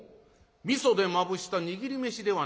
みそでまぶした握り飯ではないか。